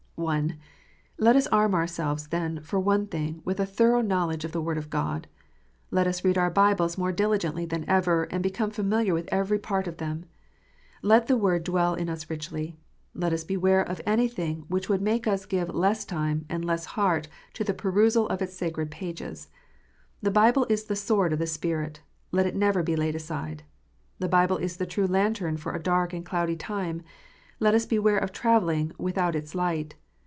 (1) Let us arm ourselves, then, for one thing, with a thorough knowledge of the Word of God. Let us read our Bibles more diligently than ever, and become familiar with every part of them. Let the Word dwell in us richly. Let us beware of anything which would make us give less time, and less heart, to the perusal of its sacred pages. The Bible is the sword of tho Spirit ; let it never be laid aside. The Bible is the true lantern for a dark and cloudy time ; let us beware of travelling without its light.